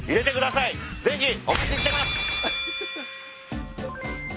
ぜひお待ちしてます。